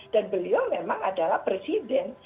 dan beliau memang adalah presiden